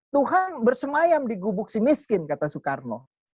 tuhan bersemayam di gubuk si miskin kata soekarno